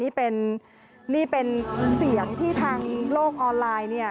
นี่ค่ะนี่เป็นเสียงที่ทางโลกออนไลน์